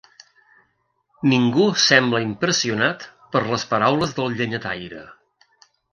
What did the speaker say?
Ningú sembla impressionat per les paraules del llenyataire.